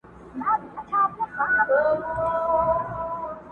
دا مېنه د پښتو ده څوک به ځي څوک به راځي!.